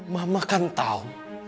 mama kan tahu